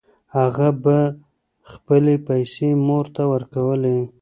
هغه به خپلې پیسې مور ته ورکولې